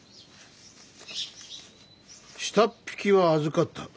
「下っ引きは預かった。